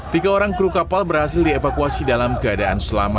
tiga orang kru kapal berhasil dievakuasi dalam keadaan selamat